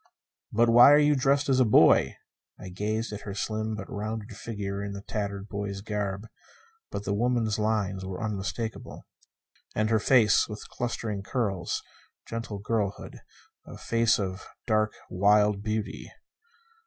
"But why are you dressed as a boy?" I gazed at her slim but rounded figure in tattered boy's garb but the woman's lines were unmistakable. And her face, with clustering curls. Gentle girlhood. A face of dark, wild beauty.